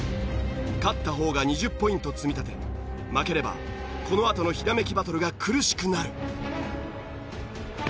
勝った方が２０ポイント積み立て負ければこのあとのひらめきバトルが苦しくなる。